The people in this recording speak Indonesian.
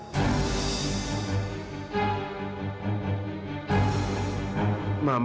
mama untuk kamu